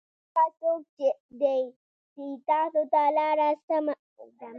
پلار هغه څوک دی چې تاسو ته سمه لاره ښایي.